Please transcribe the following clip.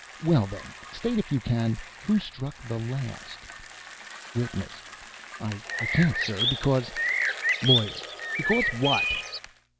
"Well, then, state, if you can, who struck the last." WITNESS. "I can't, sir, because " LAWYER. "Because what?"